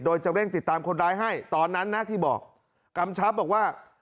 โดยจะเร่งติดตามคนร้ายให้ตอนนั้นนะที่บอกกำชับบอกว่า